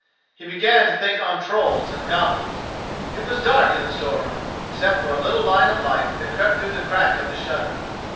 He began to think on trolls and goblins. It was dark in the store room, except for a little line of light that crept through the crack of the shutter.